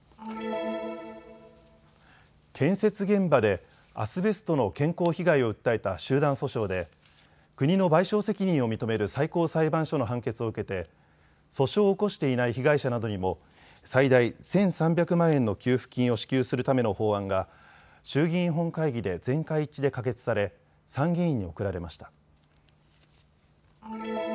建設現場でアスベストの健康被害を訴えた集団訴訟で国の賠償責任を認める最高裁判所の判決を受けて訴訟を起こしていない被害者などにも最大１３００万円の給付金を支給するための法案が衆議院本会議で全会一致で可決され参議院に送られました。